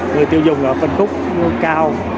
người tiêu dùng ở phân khúc cao